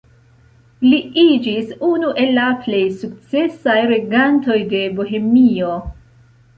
Li iĝis unu el la plej sukcesaj regantoj de Bohemio.